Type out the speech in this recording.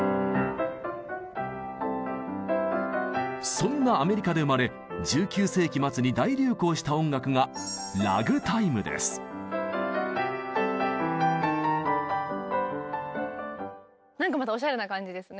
そんなアメリカで生まれ１９世紀末に大流行した音楽がなんかまたおしゃれな感じですね。